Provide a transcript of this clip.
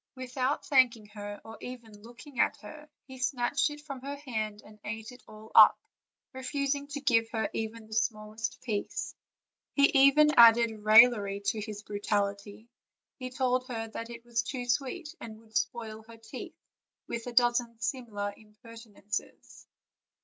Without thanking her, or even looking at her, he snatched it from her hand and ate it all up, refusing to give her even the smallest piece. He even added raillery to his brutality; he told her that it was too sweet, and would spoil her teeth, with a dozen similar impertinences.